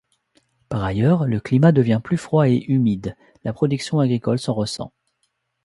Par ailleurs, le climat devient plus froid et humide, la production agricole s'en ressent.